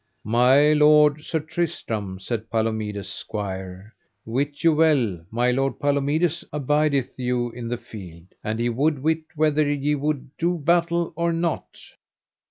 My lord Sir Tristram, said Palomides' squire, wit you well my lord, Palomides, abideth you in the field, and he would wit whether ye would do battle or not.